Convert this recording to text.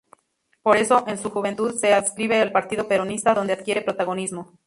Por eso, en su juventud, se adscribe al Partido Peronista, donde adquiere protagonismo.